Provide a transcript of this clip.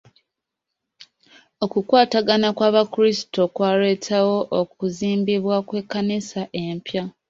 Okukwatagana kw'abakrisitu kwaleetawo okuzimbibwa kw'ekkanisa empya.